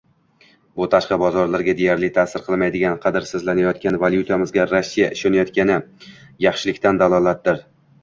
Bu tashqi bozorlarga deyarli ta'sir qilmaydigan, qadrsizlanayotgan valyutamizga Rossiya ishonayotgani yaxshilikdan dalolatdir